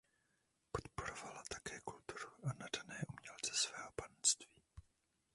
Podporovala také kulturu a nadané umělce ze svého panství.